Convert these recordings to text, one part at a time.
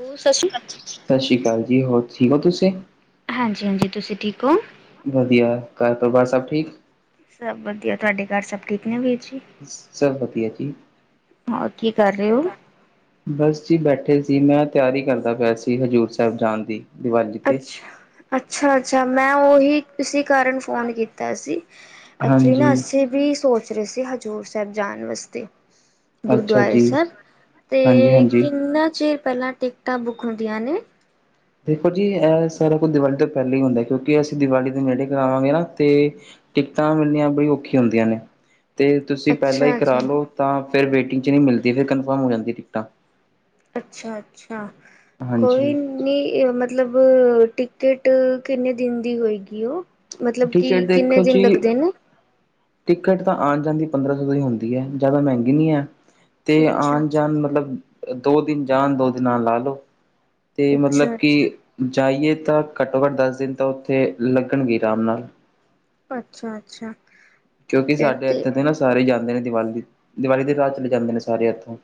ਹੋਰ ਸਸ਼ੀ ਸਤਿ ਸ੍ਰੀ ਅਕਾਲ ਜੀ, ਹੋਰ? ਠੀਕ ਔ ਤੁਸੀਂ? ਹਾਂਜੀ-ਹਾਂਜੀ, ਤੁਸੀਂ ਠੀਕ ਹੋ? ਵਧੀਆ ਘਰ ਪਰਿਵਾਰ ਸਭ ਠੀਕ? ਸਭ ਵਧੀਆ, ਤੁਹਾਡੇ ਘਰ ਸਭ ਠੀਕ ਨੇ ਵੀਰ ਜੀ? ਸਭ ਵਧਆ ਜੀ, ਹਾਂ, ਬਸ ਜੀ ਬੈਠ ਬੈਠੇ ਸੀ ਮੈਂ ਤਿਆਰੀ ਕਰਦਾ ਪਿਆ ਸੀ ਹਜ਼ੂਰ ਸਾਹਿਬ ਜਾਣ ਦੀ, ਦੀਵਾਲੀ ਤੇ ਅੱਛ-ਅੱਛਾ-ਅੱਛਾ ਮੈਂ ਉਹੀ ਇਸ ਕਾਰਨ ਫੋਨ ਕੀਤਾ ਸੀ ਐਕਚੁਲੀ ਹਾਂਜੀ ਨਾ ਅਸੀਂ ਵੀ ਸੋਚ ਰਹੇ ਸੀ, ਹਜ਼ੂਰ ਸਾਹਿਬ ਜਾਣ ਵਾਸਤੇ ਅੱਛਾ ਗੁਰਦੁਆਰੇ ਜੀ ਸਾਹਿਬ ਤੇ ਹਾਂਜੀ ਹਾਂਜੀ ਕਿੰਨਾ ਚਿਰ, ਪਹਿਲਾਂ ਟਿਕਟਾਂ ਬੁੱਕ ਹੁੰਦੀਆਂ ਨੇ, ਦੇਖੋ ਜੀ ਇਹ ਸਾਰਾ ਕੁਝ ਦੀਵਾਲੀ ਤੋਂ ਪਹਿਲਾਂ ਹੀ ਹੁੰਦਾ ਕਿਉਂਕਿ ਅਸੀਂ ਦੀਵਾਲੀ ਦੇ ਨੇੜੇ ਕਰਾਵਾਂਗੇ ਨਾ ਤੇ ਟਿਕਟਾਂ ਮਿਲਣੀਆਂ ਬੜੀ ਔਖੀਆਂ ਹੁੰਦੀਆਂ ਨੇ। ਅਤੇ ਤੁਸੀਂ ਪਹਿਲਾਂ ਹੀ ਅੱਛਾ ਕਰਾ ਜੀ ਲਉ ਤਾਂ ਫਿਰ ਵੇਟਿੰਗ ਚ ਨਹੀਂ ਮਿਲਦੀ ਫਿਰ ਕਨਫਰਮ ਹੋ ਜਾਂਦੀ ਟਿਕਟਾਂ ਅੱਛਾ-ਅੱਛਾ, ਹਾਂ ਕੋਈ ਹਾਂਜੀ ਨੀ ਮਤਲਬ ਟਿਕਟ ਕਿੰਨੇ ਦਿਨ ਦੀ ਹੋਏਗੀ ਔ? ਮਤਲਬ ਕਿ ਟਿਕਟ ਕਿੰਨੇ ਦੇਖੋ ਦਿਨ ਜੀ ਲੱਗਦੇ ਨੇ? ਟਿਕਟ ਤਾਂ ਆਣ ਜਾਣ ਦੀ ਪੰਦਰਾਂ ਸੌ ਦੀ ਹੀ ਹੁੰਦੀ ਹੈ, ਜ਼ਿਆਦਾ ਮਹਿੰਗੀ ਨੀ ਹੈ। ਤੇ ਅੱਛਾ ਆਣ ਅੱਛਾ ਜਾਣ ਮਤਲਬ ਦੋ ਦਿਨ ਜਾਣ ਦੋ ਦਿਨ ਆਣ ਲਾ ਲੋੋ। ਅਤੇ ਮਤਲਬ ਅੱਛਾ-ਅੱਛਾ, ਕਿ ਜਾਈਏ, ਤਾਂ ਘੱਟੋ-ਘੱਟ ਦਸ ਦਿਨ ਤਾਂ ਉੱਥੇ ਲੱਗਣਗੇ। ਆਰਾਮ ਨਾਲ, ਅੱਛਾ-ਅੱਛਾ, ਕਿਉਂਕਿ ਸਾਡੇ ਇੱਥੇ ਤੇ ਨਾ ਸਾਰੇ ਜਾਦੇ ਬੰਦੇ ਨੇ ਦੀਵਾਲੀ-ਦੀਵਾਲੀ ਦੇ ਰਾਤ ਚਲੇ ਜਾਂਦੇ ਨੇ ਸਾਰੇ ਇੱਥੋਂ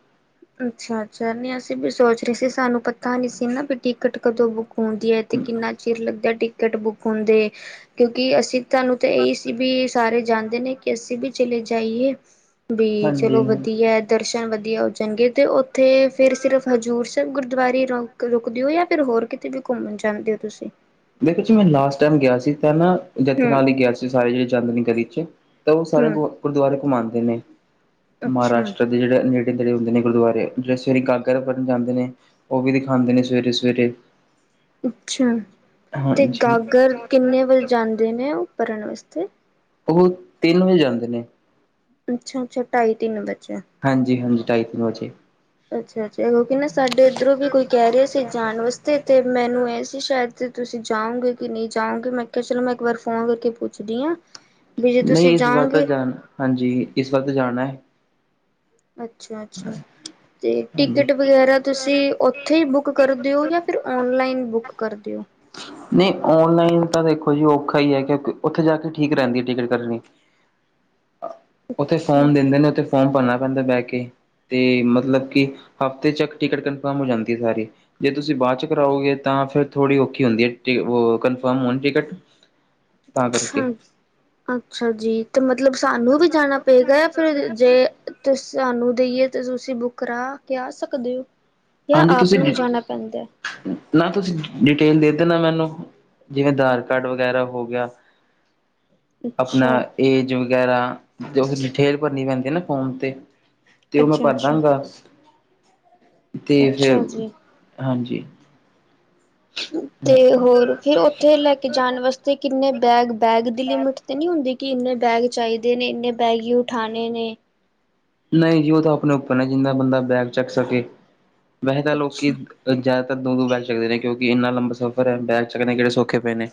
ਅੱਛਾ-ਅੱਛਾ ਨਹੀਂ ਅਸੀਂ ਵੀ ਸੋਚ ਰਹੇ ਸੀ ਸਾਨੂੰ ਪਤਾ ਨੀ ਸੀ ਨਾ ਬਟੀਕ ਟਿਕਟ ਕਦੋਂ ਬੁੱਕ? ਹੁੰਦੀ ਐ ਤੇ ਕਿੰਨਾ ਚਿਰ ਲੱਗਿਆ ਟਿ ਟਿਕਟ ਬੁੱਕ ਹੁੰਦੇ ਕਿਉਂਕਿ ਅਸੀਂ, ਤੁਹਾਨੂੰ ਤਾਂ ਇਹੀ ਸੀ ਵੀ ਸਾਰੇ ਜਾਂਦੇ ਨੇ ਕਿ ਅਸੀਂ ਵੀ ਚਲੇ ਜਾਈਏ। ਵੀ ਹਾਂਜੀ ਚਲੋ ਵਧੀਆ ਦਰਸ਼ਨ ਵਧੀਆ ਚੰਗੇ ਤੇ ਉ ਥੇ ਫਿਰ ਸਿਰਫ ਹਜ਼ੂਰ ਸਾਹਿਬ ਗੁਰ ਗੁਰੂਦੁਆਰੇ ਰੁਕਦੇ ਹੋ ਜਾਂ ਫਿਰ ਹੋਰ ਕਿਤੇ ਵੀ ਘੁੰਮਣ ਜਾਂਦੇ ਹੋ ਤੁਸੀਂ ਦੇਖੋ ਜੀ ਮੈਂ ਲਾਸਟ ਟਾਈਮ ਗਿਆ ਸੀ ਤਾਂ ਨਾ ਜਥੇ ਨਾਲ ਹੀ ਹੂੰ-ਹੂੰ ਗਿਆ ਸੀ ਸਾਰੇ ਜਿਹੜੇ ਚੰਦ ਨ ਕਦੀ ਅੱਛਾ ਤਾਂ ਉਹ ਸਾਰੇ ਗੁਰਦੁਆਰੇ ਘੁੰਮਾਉਣ [unintelligible] ਮਹਾਰਾਸ਼ਟਰ ਦੇ ਜਿਹੜੇ ਨੇੇ ਨੇੜੇ ਦੇ ਗੁਰਦੁਆਰੇ ਜਿਹੜੇ ਸਵੇਰੇ ਗਾਗਰ ਭਰ ਜਾਂਦੇ ਨੇ ਉਹ ਵੀ ਦਿਖਾਉਦੇ ਨੇ ਸਵੇਰੇ ਸਵੇਰੇ ਅੱਛਾ ਤੇ ਹਾਂਜੀ ਗਾਗਰ ਕਿੰਨੇ ਵਜੇ ਜਾਂਦੇ ਨੇ ਉਹ ਭਰਨ ਵਾਸਤੇ [unintelligible] ਉਹ ਤਿੰਨ ਵਜੇ ਜਾਂਦੇ ਨੇ ਅੱਛਾ ਅੱਛਾ ਢਾਈ ਤਿੰਨ ਵਜੇ ਹਾਂਜੀ ਹਾਂਜੀ ਢਾਈ ਤਿੰਨ ਵਜੇ ਅੱਛਾ ਅੱਛ ਕਿ ਨਾ ਸਾਡੇ ਇੱਧਰੋਂ ਵੀ ਕੋਈ ਕਹਿ ਰਿਹਾ ਸੀ ਜਾਣ ਵਾਸਤੇ ਅਤੇ ਮੈਨੂੰ ਇਹ ਸੀ ਸ਼ਾਇਦ ਤੁਸੀਂ ਜਾਓਗੇ ਕਿ ਨਹੀਂ ਜਾਓਗੇ ਮੈਂ ਕਿਹਾ ਚਲੋ ਮੈਂ ਇੱਕ ਵਾਰ ਫੋਨ ਕਰਕੇ ਪੁੱਛਦੀ ਹਾਂ ਵੀ ਜੇ ਤੁਸੀਂ ਨਹੀਂ ਇਸ ਵਾਰ ਤਾਂ ਜਾਓਗੇ ਜਾਣ ਹਾਂਜੀ ਇਸ ਵਾਰ ਤਾਂ ਜਾਣਾ ਹੈ ਅੱਛਾ ਅੱਛਾ ਅਤੇ ਹਾਂਜੀ ਟਿਕਟ ਵਗੈਰਾ ਤੁਸੀਂ ਉੱਥੇ ਹੀ ਬੁੱਕ ਕਰ ਦਿਓ ਜਾਂ ਫਿਰ ਔਨਲਾਈਨ ਬੁੱਕ ਕਰ ਦਿਓ ਨਹੀਂ ਔਨਲਾਈਨ ਤਾਂ ਦੇਖੋ ਜੀ ਔਖਾ ਹੀ ਹੈ ਕਿਉਂਕਿ ਉੱਥੇ ਜਾ ਕੇ ਠੀਕ ਰਹਿੰਦੀ ਹੈ ਟਿਕਟ ਕਣੀ ਉੱਥੇ ਫੋਰਮ ਅੱਛਾ-ਅੱਛਾ ਦਿੰਦੇ ਨੇ ਉੱਥੇ ਫੋਰਮ ਭਰਨਾ ਪੈਂਦਾ ਬਹਿ ਕੇ ਤੇ ਮਤਲਬ ਕਿ ਹਫ਼ਤੇ ਚੱਕ ਟਿਕਟ ਕਨਫਰਮ ਹੋ ਜਾਂਦੀ ਹੈ ਸਾਰੀ ਜੇ ਤੁਸੀਂ ਬਾਅਦ ਚ ਕਰਾਓਗੇ ਤਾਂ ਫਿਰ ਥੋੜ੍ਹੀ ਹੁੰਦੀ ਹੈ ਉਹ ਕਨਫਰਮ ਹੋਣ ਟਿਕਟ ਤਾਂ ਕਰਕੇ ਅੱਛਾ ਅੱਛਾ ਜੀ ਤੇ ਮਤਲਬ ਸਾਨੂੰ ਵੀ ਜਾਣਾ ਪਏਗਾ ਆ ਫਿਰ ਜੇ ਤੁਸੀਂ ਸਾਨੂੰ ਦੇਈਏ ਤੁਸੀਂ ਬੁਕਰਾ ਕ ਸਕਦੇ ਹੋ ਜਾਂ ਹਾਂਜੀ ਆਪ ਤੁਸੀਂ ਨੂੰ ਹੀ ਜਾਣਾ ਪੈਂਦਾ ਨਾ ਤੁਸੀਂ ਡਿਟੇਲ ਦੇ ਦਾ ਮੈਨੂੰ ਜਿਵੇਂ ਆਧਾਰ ਕਾਰਡ ਵਗੈਰਾ ਹੋ ਗਿਆ ਆਪਣਾ ਅੱਛਾ ਇਹ ਜੋ ਵਗੈਰਾ ਡਿਟੇਲ ਭਰਨੀ ਪੈਂਦੀ ਹੈ ਨਾ ਫੋਨ ਤੇ ਤੇ ਉਹ ਮੈਂ ਅੱਛਾ ਅੱਛਾ ਭਰਦਾਗਾ [unintelligible] ਅੱਛਾ ਜੀ। ਹਾਂਜੀ, ਤੇ ਹੋਰ, ਫਿਰ ਉੱਥੇ ਲੈ ਕੇ ਜਾਣ ਵਾਸਤੇ ਕਿੰਨੇ ਬੈਗ, ਬੈਗ ਦੀ ਲਿਮਿਟ ਤੇ ਨਹੀਂ ਹੁੰਦੀ। ਕਿ ਇੰਨੇ ਬੈਗ ਚਾਹੀਦੇ ਨੇ, ਇੰਨੇ ਬੈਗ ਹੀ ਉਠਾਣੇ ਨੇ ਨਹੀਂ ਜੀ ਉਹ ਤਾਂ ਆਪਣੇ ਉੱਪਰ ਹੈ, ਜਿੰਨਾ ਬੰਦਾ ਬੈਗ ਚੱਕ ਸਕੇ। ਵਹਿ ਤਾਂ ਲੋਕੀ ਅੱਛਾ ਜ ਤਾਂ ਦੋਂ- ਦੋਂ ਬੈਗ ਚਕਦੇ ਨੇ, ਕਿਉਕਿੰ ਇੰਨਾ ਲੰਬਾ ਸਫ਼ਰ ਏ ਬੈਗ ਚਕਣੇ ਕੇੜੇ ਸੌਖੇ ਪਏ ਨੇ।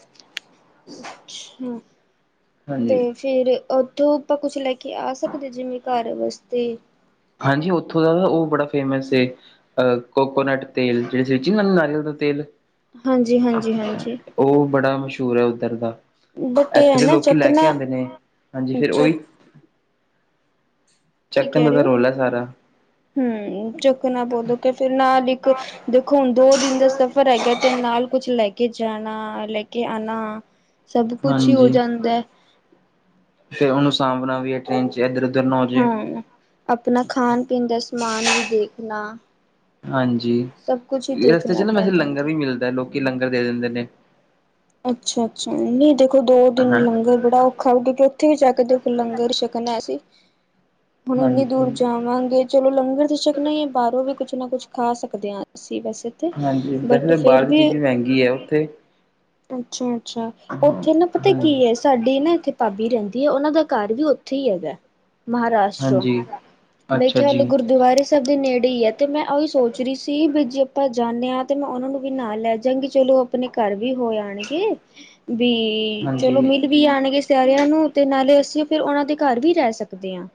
ਅੱਛਾ, ਤੇ ਹਾਂਜੀ ਫਿਰ ਉੱਥੋਂ ਆਪਾਂ ਕੁੱਛ ਲੈ ਕੇ ਆ ਸਕਦੇ ਜਿਵੇਂ ਘਰ ਵਾਸਤੇ ਹਾਂਜੀ ਉੱਥੋਂ ਦਾ ਨਾਂ ਉਹ ਬੜਾ ਫੇਮਸ ਇਹ, ਕੋਕੋਨਟ ਤੇਲ ਜਿਹੜੇ ਸਚ ਨਾਰੀਅਲ ਦਾ ਤੇਲ। ਹਾਂਜੀ ਹਾਂਜੀ ਹਾਂਜੀ। ਟੂਰ ਹੈ ਉੱਧਰ ਦਾ। ਬਟ ਇਹ ਇੱਥੇ ਹੈ ਦੇ ਨਾ ਲੋਕੀ ਲੈ ਕੇ ਚੱਕਣਾ ਆਂਦੇ ਨੇ। ਹਾਂਜੀ, ਫੇਰ ਅੱਛਾ ਉਹੀ [unintelligible] ਹਮ ਚੁੱਕਣਾ ਪਹੁਦੁ ਕੇ ਫਿਰ ਨਾ ਨਾਲ ਇੱਕ ਦੇਖੋ ਹੁਣ ਦੋ ਦਿਨ ਦਾ ਸਫ਼ਰ ਹੈਗਾ ਤੇ ਨਾਲ ਕੁਛ ਲੈ ਕੇ ਜ ਜਾਣਾ, ਲੈ ਕੇ ਆਉਣਾ। ਸਭ ਕੁਛ ਹੀ ਹੋ ਹਾਂਜੀ ਜਾਂਦਾ ਹੈ। ਫਿਰ ਉਹਨੂੰ ਸਾਂਭਣਾ ਵੀ ਹੈ ਟ੍ਰੇਨ ਚ ਇੱਧਰ ਉਧਰ ਨਾ ਹੋ ਜੇ ਹਮ ਆਪਣਾ ਖਾਣ ਪੀਣ ਦਾ ਸਮਾਨ ਵੀ ਦੇਖ ਨਾ ਹਾਂਜੀ, ਰਸਤੇ ਚ ਨਾ ਪੈ ਵੈਸੇ ਲੰਗਰ ਜਾਂਦਾ। ਵੀ ਮਿਲਦਾ ਲੋਕੀਂ ਲੰਗਰ ਦੇ ਦਿੰਦੇ ਨੇ ਅੱਛਾ ਅੱਛਾ ਨਹੀਂ ਦੇਖ ਦੇਖੋ ਦੋ ਦਿਨ ਹਾਂ ਲੰਗਰ ਬੜਾ ਔਖਾ, ਕਿਉਕਿੰ ਉੱਥੇ ਵੀ ਜਾ ਕੇ ਦੇਖੋ ਲੰਗਰ ਹੀ ਛਕਣਾ ਅਸੀ। ਹੁਣ ਇੰਨੀ ਦੂਰ ਹਾਂਜੀ ਜਾਵਾਂਗੇ ਚਲੋ ਲੰਗਰ ਤਾਂ ਛਕਣਾ ਹੀ ਹੈ ਬਾਹਰੋਂ ਵੀ ਕੁਛ ਕੁਛ ਨਾ ਕੁਛ ਖਾ ਸਕਦੇ ਹਾਂ ਅਸੀ। ਹਾਂਜੀ, ਵੈਸੇ ਤਾਂ ਬਾਹਰ ਦੀ ਚੀਜ਼ ਵੀ ਮਹਿੰਗੀ ਹੈ ਉੱਥੇ। ਅੱਛਾ-ਅੱਛਾ, ਉੱਥੇ ਨਾ ਪਤਾ ਕੀ ਹਾਂਜੀ ਹੈ, ਸਾਡੀ ਨਾ ਇੱਥੇ ਭਾਬੀ ਰਹਿੰਦੀ ਹੈ ਉਹਨਾਂ ਦਾ ਘਰ ਵੀ ਉੱਥੇ ਹੀ ਹੈਗਾ। ਮਹਾਰਾਸ਼ਟਰ, ਹਾਂਜੀ ਮੈਂ ਅੱਛਾ ਖਿਆਲ ਜੀ ਗੁਰਦੁਆਰੇ ਸਾਹਿਬ ਦੇ ਨੇੜੇ ਹੀ ਹੈ ਤੇ ਮੈਂ ਉਹੀ ਸੋਚ ਰੀ ਸੀ ਵੀ ਜੇ ਆਪਾਂ ਜਾਂਦੇ ਹਾਂ ਤੇ ਮੈਂ ਉਹਨਾਂ ਨੂੰ ਵੀ ਨਾਲ ਲੈ ਜਾਗੀ ਚਲੋ ਆਪਣੇ ਘਰ ਵਿ ਹੋ ਜਾਣਗੇ, ਵੀ ਹਾਂਜੀ ਚਲੋ ਮਿਲ ਵੀ ਆਣਗੇ ਸਾਰਿਆਂ ਨੂੰ ਤੇ ਨਾਲੇ ਅਸੀਂ ਫਿਰ ਉਹਨਾਂ ਦੇ ਘਰ ਵੀ ਰਹਿ ਸਕਦੇ ਦੀਆਂ,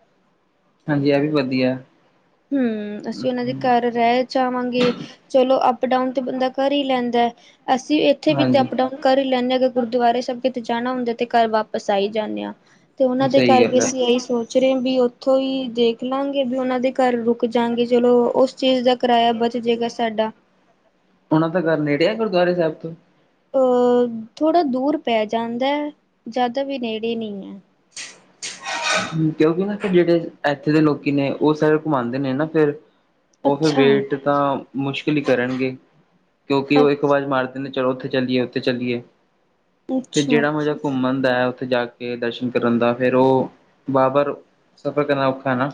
ਹਾਂਜੀ ਇਹ ਵੀ ਵਧੀਆ, ਹੂੰ, ਅਸੀਂ ਉਹਨਾਂ ਦੇ ਘਰ ਰਹਿ, ਚਾਵਾਂਗੇ ਚਲੋ ਅਪ ਡਾਊਨ ਤੇ ਬੰਦਾ ਕਰ ਹੀ ਲੈਂਦਾ। ਅਸੀਂ ਇੱਥੇ ਵੀ ਤੇ ਹਾਂਜੀ। ਅਪਡਾਊਨ ਕਰ ਹੀ ਲੈਂਦੇ ਹਾਂ ਗੁਰਦੁਆਰੇ ਸਭ ਕਿਤੇ, ਜਾਣਾ ਹੁੰਦਾ ਤੇ ਘਰ ਬਾਪ ਫਸਾਈ ਜਾਂਦੇ ਹਾਂ ਤੇ ਉਹਨਾਂ ਦੇ ਸਹੀ ਕਰਕੇ ਗੱਲ ਹੈ। ਅਸੀਂ ਇਹੀ ਸੋਚ ਰਹੇ ਹਾਂ ਵੀ ਉੱਥੋਂ ਹੀ ਦੇਖ ਲਾਂਗੇ ਵੀ ਉਹਨਾਂ ਦੇ ਕਰਵ ਰੁਕ ਜਾਗੇ ਚਲੋ ਉਸ ਚੀਜ਼ ਦਾ ਕਿਰਾਇਆ ਬਚ ਜੇਗਾ ਸਾਡਾ ਤੋ, ਅ ਥੋੜ੍ਹਾ ਦੂਰ ਪੈ ਜਾਂਦਾ ਜ਼ਿਆਦਾ ਵੀ ਨੇੜੇ ਨਹੀਂ ਹੈ। ਕਿਉਂਕਿ ਨਾ ਜਿਹੜੇ ਇੱਥੇ ਦੇ ਲੋਕੀ ਨੇ ਉਹ ਸਾਰੇ ਘੁਮਾਦੇ ਨੇ ਨਾ ਫਿਰ ਉਹ ਫਿਰ ਅੱਛਾ, ਵੇਟ ਤਾਂ, ਮੁਸ਼ਕਿਲ ਹੀ ਕਰਨਗੇ, ਕਿਉਂਕਿ ਉਹ ਇੱਕ ਅੱਛ ਆਵਾਜ਼ ਮਾਰਦੇ ਨੇ, ਚਲੋ ਉੱਥੇ ਚੱਲੀਏ ਉੱਥੇ ਚੱਲੀਏ, ਫੇਰ ਅੱਛਾ, ਜਿਹੜਾ ਅੱਛਾ। ਮਜਾ ਘੁੰਮਣ ਦਾ, ਉੱਥੇ ਜਾ ਕੇ ਦਰਸ਼ਨ ਕਰਨ ਦਾ ਫੇਰ ਉਹ ਬ ਬਾਰ ਸਫ਼ਰ ਕਰਨਾ ਔਖਾ ਨਾ,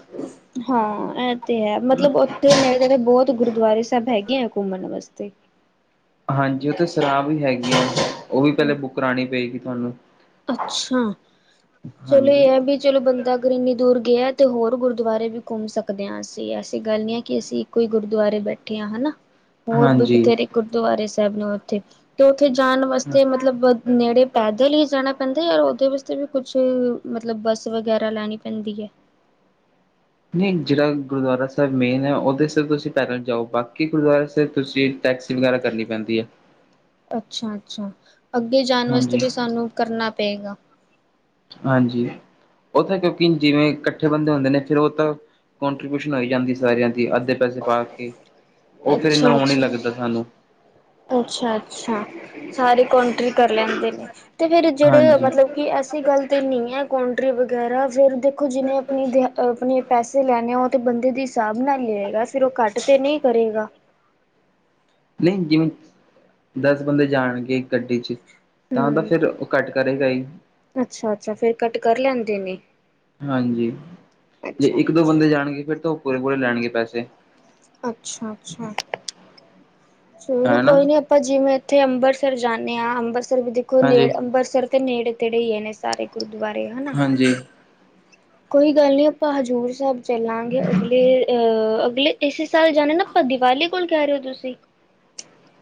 ਹਾਂ ਇਹ ਤੇ ਹੈ ਮਤਲਬ ਉੱਥੇ ਨੇੜੇ-ਤੇੜੇ ਬਹੁਤ, ਗੁਰਦੁਆਰੇ ਸਾਹਿਬ ਹੈਗੇ ਆ ਘੁੰਮਣ ਵਾਸਤੇ, ਹਾਂਜੀ ਉਥੇ ਸ਼ਰਾਬ ਵੀ ਹੈਗੀਆਂ ਉਹ ਵੀ ਪਹਿਲੇ ਬੁੱਕ ਕਰਾਣੀ ਪਏਗੀ। ਹੂੰ, ਅੱਛਾ, ਚਲੋ ਹਾਂਜੀ ਇਹ ਵੀ ਚਲੋ ਬੰਦਾ ਅਗਰ ਇੰਨੀ ਦੂਰ ਗਿਆ। ਤੇ ਹੋਰ ਗੁਰਦੁਆਰੇ ਵੀ ਘੁੰਮ ਸਕਦੇ ਹਾਂ, ਅਸੀਂ ਐਸੀ ਗੱਲ ਨੀ ਹੈ ਕਿ ਅਸੀਂ ਇੱਕੋ ਹੀ ਗੁਰਦੁਆਰੇ ਬੈਠੇ ਹਾਂ ਹਨਾ। ਹੋਰ ਵੀ ਹਾਂਜੀ ਬਥੇਰੇ ਗੁਰਦੁਆਰੇ, ਸਾਹਿਬ ਨਾਲ ਉੱਥੇ ਤੇ, ਉੱਥੇ ਜਾਣ ਵਾਸਤੇ ਮਤਲਬ ਨੇੜੇ ਪੈਦਲ ਹੀ ਜਾਣਾ। ਪੈਂਦਾ ਯਾਰ ਉਹਦੇ ਵਾਸਤੇ ਵੀ ਕੁਛ ਮਤਲਬ ਬੱਸ ਵਗੈਰਾ ਲੈਣੀ ਪੈਂਦੀ ਹੈ। ਨਹੀਂ ਜਿਹੜਾ ਗੁਰਦੁਆਰਾ ਸਾਹਿਬ ਮੇਨ ਹੈ ਉਹਦੇ ਸਿਰ ਤੁਸੀਂ ਪੈਦਲ ਜਾਓ ਬਾਕੀ ਗੁਰਦੁਆਰਾ ਸਾਹਿਬ ਤੁਸੀਂ ਟੈਕਸੀ ਵਗੈਰਾ ਕਰਨੀ ਪੈਂਦੀ ਹੈ। ਅੱਛਾ-ਅੱਛਾ, ਅੱਗੇ ਜਾਣ ਵਾਸਤੇ ਹਾਂਜੀ ਵੀ ਸਾਨੂੰ ਕਰਨਾ। ਦਏ ਗਾ। ਹਾਂਜੀ, ਉਥੇ ਕਿਉਂਕਿ ਜਿਵੇਂ ਇਕੱਠੇ ਬੰਦੇ ਹੁੰਦੇ ਨੇ ਫਿਰ ਉਹ ਤਾਂ ਕੋਂਟਰੀਬਿਊਸ਼ਨ ਹੋ ਜਾਂਦੀ ਸਾਰੀਆਂ ਦੀ, ਅੱਧੇ ਪੈਸੇ ਪਾ ਕੇ ਉਹ ਫੇਿਰ ਇੰਨਾ ਨ ਲੱਗਦਾ ਸਾਨੂੰ ਅੱਛਾ ਅੱਛਾ ਸਾਰੇ ਕੋਂਟ੍ਰੀ ਕਰ ਲੈਂਦੇ ਨੇ। ਤੇ ਫ਼ਿਰ ਜਿਹੜੇ, ਹਾਂਜੀ ਮਤਲਬ ਕਿ ਐਸੀ ਗੱਲ ਤੇ ਨਹੀਂ ਹੈ ਕੌਣ ਰੀ ਵਗੈਰਾ ਫੇਰ ਦੇ ਦੇਖੋ ਜਿਹਨੇ ਆਪਣੀ ਦਿਆ ਆਪਣੇ ਪੈਸੇ ਲੈਣੇ ਹੋਣ ਤੇ ਬੰਦੇ ਦੇ ਹਿਸਾਬ ਨਾਲ ਹੀ ਲਏਗਾ, ਫਿਰ ਉਹ ਕੱਟ ਤੇ ਨਹੀਂ ਕਰੇਗਾ। ਨਹੀਂ ਜਿਵੇਂ ਦਸ ਬੰਦੇ ਜਾਣਗੇ ਗੱਡੀ ਚ ਤਾਂ ਤਾਂ ਹੂੰ ਫਿਰ ਉਹ ਘੱਟ ਕਰੇਗਾ ਹੀ। ਅੱਛਾ-ਅੱਛਾ ਫੇਰ ਕੱਟ ਕਰ ਲੈਂਦੇ ਨੇ ਹਾਂਜੀ, ਜੇ ਇੱਕ ਦੋ ਅੱਛਾ-ਅੱਛਾ, ਬੰਦੇ ਜਾਣਗੇ ਫਿਰ ਤਾਂ ਉਹ ਪੂਰੇ ਪੂਰੇ ਲੈਣਗੇ। ਪੈਸੇ ਅੱਛਾ-ਅੱਛਾ ਚਲੋ ਹਨਾ ਕੋਈ ਨੀ, ਆਪਾਂ ਜਿਵੇਂ ਉੱਥੇੰ ਅੰਬਰਸਰ ਜਾਂਦੇ ਹਾਂ, ਅੰਬਰਸਰ ਸਰ ਵੀ ਦੇਖੋ ਨੇੜ ਹਾਂਜੀ ਅੰਬਰਸਰ ਨੇੜੇ ਤੇੜੇ ਹੀ ਏ ਨੇੇ ਸਾਰੇ ਗੁਰੂ ਦੁਆਰੇ ਹੈਨਾ। ਹਾਂਜੀ ਕੋਈ ਗੱਲ ਨੀ ਆਪਾਂ ਹਜ਼ੂਰ ਸਾਹਿਬ ਚੱਲਾਂਗੇ ਅਗਲੇ ਅਹ ਅਗਲੇ ਇਸੇ ਸਾਲ ਜਾਣੇ ਨਾ ਆਪਾਂ ਦੀਵਾਲੀ ਕੋਲ ਕਹਿ ਰਹੇ ਹੋ ਤੁਸੀਂ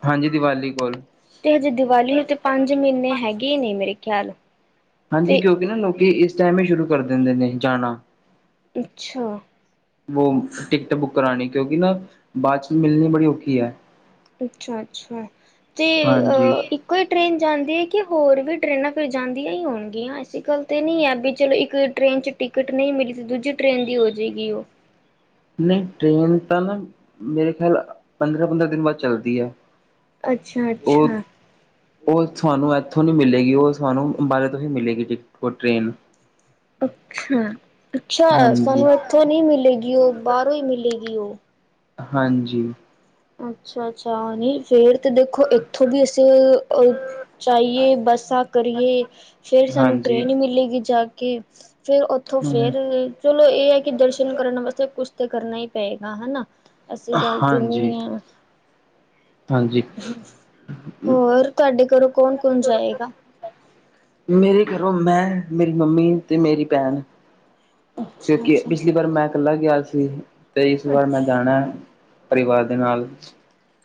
ਹਾਂਜੀ ਦੀਵਾਲੀ ਕੋਲ ਤੇ ਹਜੇ ਦੀਵਾਲੀ ਨੂੰ ਤੇ ਪੰਜ ਮਹੀਨੇ ਹੈਗੇ ਹੀ ਨੇ ਮੇਰੇ ਖਿਆਲ ਹਾਂਜੀ ਤੇ ਕਿਉਂਕਿ ਨਾ ਲੋਕੀ ਇਸ ਟਾਈਮ ਹੀ ਸ਼ੁਰੂ ਕਰ ਦਿੰਦੇ ਨੇ ਜਾਣਾ। ਅੱਛਾ ਉਹ ਟਿਕਟ ਬੁੱਕ ਕਰਾਣੀ, ਕਿਉਂਕਿ ਨਾ ਬਾਅਦ ਚ ਮਿਲਣੀ ਬੜੀ ਔਖੀ ਹੈ। ਅੱਛਾ ਅੱਛਾ ਤੇ ਹਾਂਜੀ। ਅ ਇੱਕੋ ਹੀ ਟ੍ਰੇਨ ਜਾਂਦੀ ਹੈ ਕਿ ਹੋਰ ਵੀ ਟ੍ਰਰੇਨਾਂ ਫਿਰ ਜਾਂਦੀਆਂ ਹੀ ਹੋਣਗੀਆਂ। ਐਸੀ ਗੱਲ ਤੇ ਨਹੀਂ ਹੈ ਵੀ ਚਲੋ ਇੱਕ ਟ੍ਰਰੇਨ ਚ ਟਿਕਟ ਨਹੀਂ ਮਿਲੀ ਤੇ ਦੂਜੀ ਟ੍ਰੇਨ ਦੀ ਹੋ ਜਾਏਗੀ ਉਹ। ਨਹੀਂ ਟ੍ਰੇਨ ਤਾਂ ਨਾ ਮੇਰੇ ਖਿਆਲ ਪੰਦਰਾਂ-ਪੰਦਰਾਂ ਦਿਨ ਬਾਅਦ ਚੱਲਦੀ ਹੈ। ਅੱਛਾ ਉਹ, ਅੱਛਾ ਉਹ ਤੁਹਾਨੂੰ ਇਦ ਉੱਥੋਂ ਨੀ ਮਿਲੇਗੀ। ਉਹ ਸਾਨੂੰ ਅੰਬਾਰੇ ਤੋਂ ਹੀ ਮਿਲੇਗੀ ਟਿਕਟ ਓਹ ਟ੍ਰੇਨ। ਅੱਛਾ ਅੱਛਾ, ਹਾਂਜੀ। ਸਾਨੂੰ ਇੱਥੋਂ ਨਹੀਂ ਮਿਲੇਗੀ, ਉਹ ਬਾਹਰੋਂ ਹੀ ਮਿਲੇਗੀ। ਦੀ ਉਹ ਹਾਂਜੀ ਅੱਛਾ-ਅੱਛਾ, ਨਿ ਫੇਰ ਤੇ ਦੇਖੋ ਇੱਥੋਂ ਦੀ ਅਸੀਂ ਜਾਹੀਏ ਬਸ ਕਰੀਏ ਫਿਰ ਸਾਨੂੰ ਹਾਂਜੀ, ਟ੍ਰਰੇਨ ਹੀ ਮਿਲੇਗੀ ਜ [unintelligible] ਫੇਰ ਉੱਥੋਂ ਫੇਰ ਚਲੋ ਇਹ ਹੈ ਕਿ ਦਰਸ਼ਨ ਕਰਨ ਵਾਸਤੇ ਕੁਛ ਤ ਕਰਨਾ ਹੀ ਪਏਗਾ ਹਨਾ ਐਸੀ ਗੱਲ ਤੇ ਹਾਂਜੀ ਨਹੀਂ ਹੈ ਹਾਂਜੀ ਹੋਰ ਤੁਹਾਡੇ ਘਰੋਂ ਕੌਣ ਕੌਣ ਜਾਏਗਾ ਮੇਰੇ ਘਰੋਂ ਮੈਂ ਮੇਰੀ ਮੰਮੀ ਅਤੇ ਮੇਰੀ ਭੈਣ ਕਿਉਂਕਿ ਅੱਛਾ-ਅੱਛਾ। ਪਿਛਲੀ ਵਾਰ ਮੈਂ ਇਕੱਲਾ ਗਿਆ ਸੀ ਤੇ ਇਸ ਅੱਛਾ ਵਾਰ ਮੈਂ ਅੱਛਾ ਜਾਣਾ ਹੈ ਪਰਿਵਾਰ ਦੇ ਨਾਲ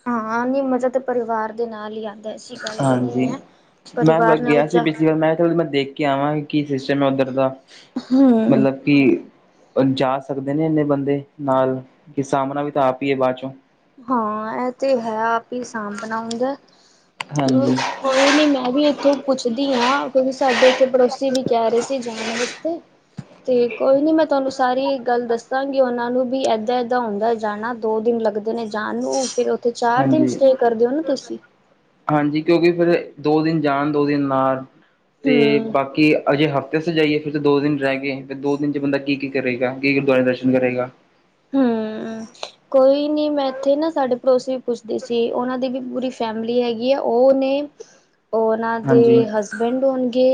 ਹਾਂ ਨੀ ਮਜਾ ਤੇ ਪਰਿਵਾਰ ਦੇ ਨਾਲ ਹੀ ਆ ਹਾਂਜੀ ਮੈਂ ਨਾਲ ਗਿਆ ਸੀ ਜਾ ਪਿਛਲੀ ਵਾਰ ਮੈ ਕਿਹਾ ਚਲੋ ਮੈਂ ਦੇਖ ਕੇ ਆਵਾਂ ਕੀ ਸਿਸਟਮ ਮੈਂ ਉੱਧਰ ਦਾ ਹੂੰ ਮਤਲਬ ਕਿ ਜਾ ਸਕਦੇ ਨੇ ਇੰਨੇ ਬੰਦੇ ਨਾਲ ਕਿ ਸਾਬਣਾ ਵੀ ਤਾਂ ਆਪ ਏ ਬਾਅਦ ਚੋਂ ਸਾਂਬਣਾ ਹੁੰਦਾ ਹਾਂਜੀ ਕੋਈ ਨੀ ਮੈਂ ਵੀ ਉੱਥੋਂ ਪੁੱਛਦੀ ਹਾਂ ਕਿਉਂਕਿ ਸਾਡੇ ਇੱਥੇ ਪੜੋਸੀ ਵੀ ਕਹਿ ਰਹੇ ਸੀ ਜਾਣ ਵਾਸਤੇ ਤੇ ਕੋਈ ਨੀ ਮੈਂ ਤੁਹਾਨੂੰ ਸਾਰੀ ਗੱਲ ਦੱਸਾਂਗੀ ਉਹਨਾਂ ਨੂੰ ਵੀ ਏਦਾਂ ਏਦਾਂ ਹੁੰਦਾ ਜਾਣਾ ਦੋ ਦਿਨ ਲੱਗਦਾ ਨੇ ਜਾਣ ਨੂੰ ਫਿਰ ਉੱਥੇ ਚਾਰ ਦਿਨ ਹਾਂਜੀ ਸਟੇਅ ਕਰਦੇ ਹੋ ਨਾ ਤੁਸੀਂ ਹਾਂਜੀ ਕਿਉਂਕਿ ਫਿਰ ਦੋ ਦਿਨ ਜਾਣ ਦੋ ਦਿਨ ਅਉਣ ਤੇ ਹਮ ਬਾਕੀ ਅਜੇ ਹਫ਼ਤੇ ਤੇ ਉਥੇ ਜਾਈਏ ਫਿਰ ਦੋ ਦਿਨ ਰਹਿ ਗਏ ਫਿਰ ਦੋ ਦਿਨ ਚ ਬੰਦਾ ਕੀ ਕੀ ਕਰੇਗਾ ਕੀ ਗੁਰਦੁਆਰੇ ਦਰਸ਼ਨ ਕਰੇਗਾ ਹੂੰ ਕੋਈ ਨੀ ਮੈਂ ਇੱਥੇ ਨਾ ਸਾਡੇ ਪੜੋਸੀ ਵੀ ਪੁੱਛਦੀ ਸੀ ਉਹਨਾਂ ਦੀ ਵੀ ਪੂਰੀ ਫੈਮਿਲੀ ਹੈਗੀ ਆ ਉਹੇ ਨੇ ਉਹ ਉਹਨਾਂ ਦੇ ਹਾਂਜੀ ਹਸਬੈਂਡ ਹੋਣਗੇ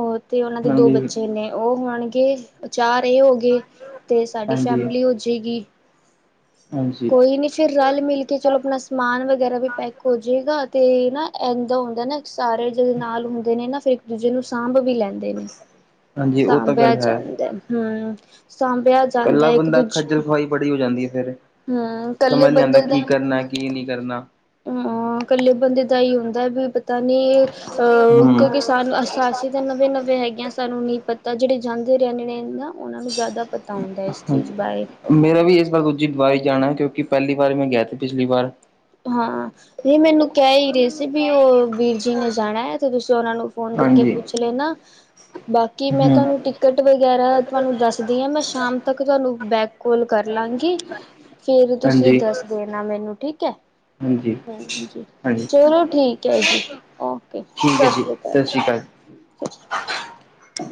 ਉਹ ਤੇ ਉਹਨਾਂ ਦੇ ਦੋ ਹਾਂਜੀ ਬੱਚੇ ਨੇ ਉਹ ਹੋਣਗੇ ਚਾਰ ਹੋ ਗਏ ਤੇ ਸਾਡੀ ਫੈ ਹਾਂਜੀ ਫੈਮਿਲੀ ਹੋ ਜਾਏਗੀ ਹਾਂਜੀ ਕੋਈ ਨੀ ਫਿਰ ਰਲ ਮਿਲ ਕੇ ਚਲੋ ਆਪਣਾ ਸਮਾਨ ਵਗੈਰਾ ਵੀ ਪੈਕ ਹੋ ਜਏਗਾ ਤੇ ਨਾ ਇੰਦਾਂ ਹੁੰਦਾ ਨਾ ਸਾਰੇ ਜਦੋਂ ਨਾਲ ਹੁੰਦੇ ਨੇ ਨਾ ਫਿਰ ਇੱਕ ਦੂਜੇ ਨੂੰ ਸਾਂਭ ਵੀ ਲੈਂਦੇ ਨੇ ਹਾਂਜੀ ਉਹ ਤਾਂ ਸਾਂਭਿਆ ਗੱਲ ਹੈ ਜਾਂਦਾ ਹੂੰ ਇਕੱਲਾ ਬੰਦਾ ਖੱਜਲ ਖਵਾਈ ਬੜੀ ਹੋ ਜਾਂਦੀ ਫੇਿਰ ਹਮ ਇਕੱਲੇ ਬੰਦੇ ਦਾ ਕੀ ਨਹੀਂ ਕਰਨਾ ਹਾਂ ਇਕੱਲੇ ਬੰਦੇ ਏਦਾ ਹੀ ਹੁੰਦਾ ਹੈ ਫਿਰ ਪਤਾ ਨਹੀਂ। ਅਹ ਹਮ ਕਿਉਂਕਿ ਸਾਨੂੰ ਅਸੀ ਤਾ ਤੇ ਨਵੇਂ-ਨਵੇਂ ਹੈਗੇ ਆਂ ਸਾਨੂੰ ਤ ਨੀ ਪਤਾ। ਜਿਹੜੇ ਜਾਂਦੇ ਰਹਿੰਦੇ ਨੇ ਨਾ ਉਹਨਾਂ ਨੂੰ ਜਿਆਦਾ ਪਤਾ। ਹੁੰਦਾ ਇਸ ਹ ਚੀਜ਼ ਬਾਰੇ ਮੇਰਾ ਵੀ ਇਸ ਵਾਰ ਦੂਜੀ ਦਵਾਈ ਜਾਣਾ। ਕਿਉਂਕਿ ਪਹਿਲੀ ਵਾਰ ਮੈਂ ਗਿਆ ਸੀ ਪਿਛਲੀ ਵਾਰ। ਹਾਂ ਇਹ ਮੈਨੂੰ ਕਹਿ ਹੀ ਰਹੇ ਸੀ। [unintelligible] ਤੇ ਉਹਨਾਂ ਨੂੰ ਫੋਨ ਕਰਕੇ ਹਾਂਜੀ ਪੁੱਛ ਲਏ ਨਾ। ਬਾਕੀ ਮੈਂ ਹਮ ਤੁਹਾਨੂੰ ਟਿਕਟ ਵਗੈਰਾ ਤੁਹਾਨੂੰ ਦੱਸਦੀ ਹਾਂ ਮੈਂ ਸ਼ਾਮ ਤੱਕ ਤੁਹਾਨੂੰ ਬੈਕ। ਕੋਲ ਕਰ ਲਾਂਗੀ ਫੇਰ ਤੁਸੀਂ ਹਾਂਜੀ ਦੱਸ ਦੇਣਾ ਮੈਨੂੰ ਠੀਕ ਹੈ। ਹਾਂਜੀ ਜ ਹਾਂਜੀ ਚਲੋ ਠੀਕ ਹੈ ਜੀ ਓਕੇ ਠੀਕ ਸਤਿ ਹੈ ਜੀ ਸ੍ਰੀ ਸਤਿ ਸ਼੍ਰੀ ਅਕਾਲ ਅਕਾਲ।